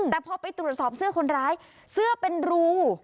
แต่พอไปตรวจสอบเสื้อคนร้ายเสื้อเป็นรู